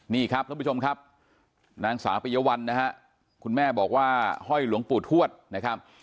นี่ครับท่านผู้ชมครับนางสาวปิยวัลนะฮะคุณแม่บอกว่าห้อยหลวงปู่ทวดนะครับ